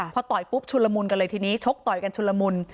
พอต่อยปุ๊บชุนละมุนกันเลยทีนี้ชกต่อยกันชุนละมุน